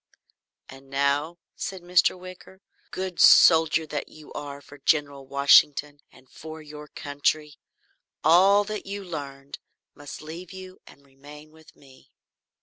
"And now," said Mr. Wicker, "good soldier that you are for General Washington and for your country, all that you learned must leave you and remain with me."